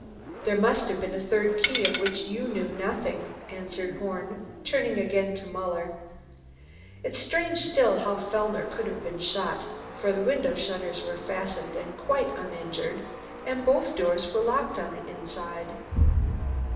"There must have been a third key of which you knew nothing," answered Horn, turning to Muller again. "It's stranger still how Fellner could have been shot, for the window shutters were fastened and quite uninjured, and both doors were locked on the inside."